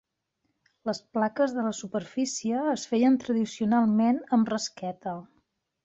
Les plaques de la superfície es feien tradicionalment amb rasqueta.